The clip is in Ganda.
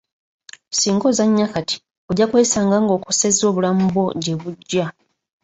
Singa ozannya kati, ojja kwesanga ng'okosezza obulamu bwo gyebujja.